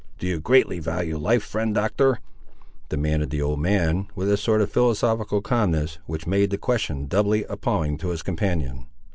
"Do you greatly value life, friend Doctor?" demanded the old man, with a sort of philosophical calmness, which made the question doubly appalling to his companion.